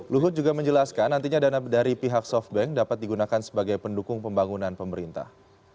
luhut juga menjelaskan nantinya dana dari pihak softbank dapat digunakan sebagai pendukung pembangunan pemerintah